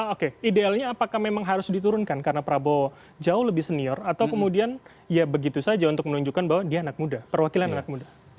oke idealnya apakah memang harus diturunkan karena prabowo jauh lebih senior atau kemudian ya begitu saja untuk menunjukkan bahwa dia anak muda perwakilan anak muda